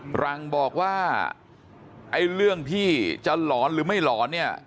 หลังบอกว่าไอ้เรื่องที่จะหลอนหรือไม่หลอนเนี่ย